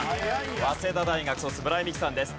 早稲田大学卒村井美樹さんです。